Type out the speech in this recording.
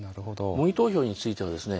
模擬投票についてはですね